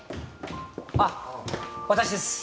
あっ私です。